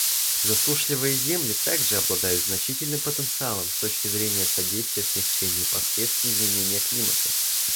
Засушливые земли также обладают значительным потенциалом с точки зрения содействия смягчению последствий изменения климата.